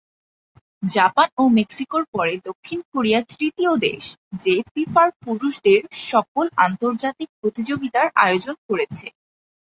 Japan ও মেক্সিকোর পরে দক্ষিণ কোরিয়া তৃতীয় দেশ, যে ফিফার পুরুষদের সকল আন্তর্জাতিক প্রতিযোগিতার আয়োজন করেছে।